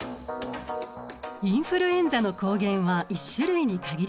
インフルエンザの抗原は１種類に限りません。